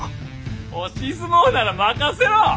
押し相撲なら任せろ！